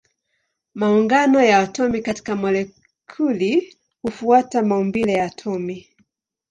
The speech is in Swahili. Maungano ya atomi katika molekuli hufuata maumbile ya atomi.